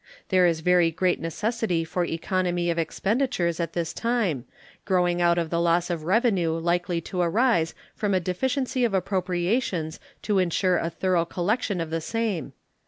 There is very great necessity for economy of expenditures at this time, growing out of the loss of revenue likely to arise from a deficiency of appropriations to insure a thorough collection of the same.